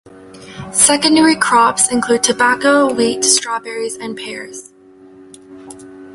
Secondary crops include tobacco, wheat, strawberries and pears.